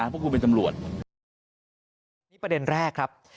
พวกคุณเป็นตำรวจอันนี้ประเด็นแรกครับ